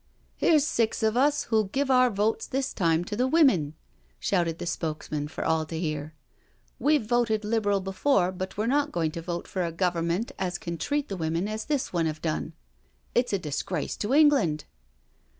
" Here's six of us who'll give our votes this time to the women I" shouted the spokesman for all to hear. *• We've voted Liberal before, but we're not going to vote for a Government as can treat the women as this one 'ave done. It's a disgrace to England."